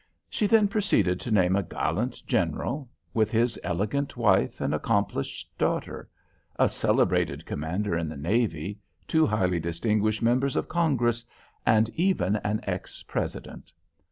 She then proceeded to name a gallant general, with his elegant wife and accomplished daughter; a celebrated commander in the navy; two highly distinguished members of Congress, and even an ex president.